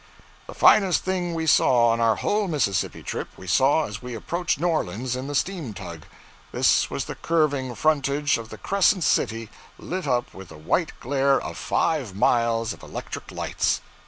The finest thing we saw on our whole Mississippi trip, we saw as we approached New Orleans in the steam tug. This was the curving frontage of the crescent city lit up with the white glare of five miles of electric lights.